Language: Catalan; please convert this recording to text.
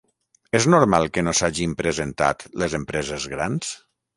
És normal que no s’hagin presentat les empreses grans?